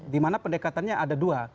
dimana pendekatannya ada dua